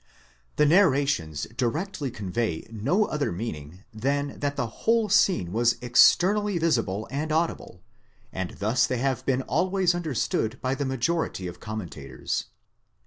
The narrations directly convey no other meaning, than that the whole scene was externally visible and audible, and thus they have been always understood by the majority of commentators.